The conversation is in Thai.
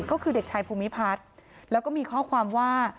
ก็คือเด็กชายภูมิพัฒน์แล้วก็มีข้อความว่า